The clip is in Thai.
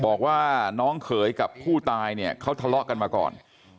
บอกว่าน้องเขยกับผู้ตายเนี่ยเขาทะเลาะกันมาก่อน